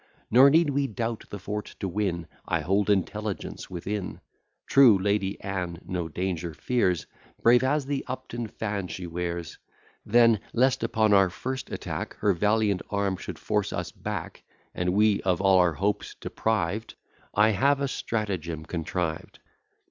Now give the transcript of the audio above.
Nor need we doubt the fort to win; I hold intelligence within. True, Lady Anne no danger fears, Brave as the Upton fan she wears; Then, lest upon our first attack Her valiant arm should force us back, And we of all our hopes deprived; I have a stratagem contrived.